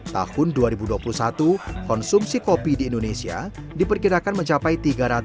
tahun dua ribu dua puluh satu konsumsi kopi di indonesia diperkirakan mencapai tiga ratus